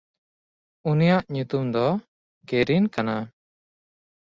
ᱩᱱᱤᱭᱟᱜ ᱧᱩᱛᱩᱢ ᱫᱚ ᱠᱮᱨᱤᱱ ᱠᱟᱱᱟ᱾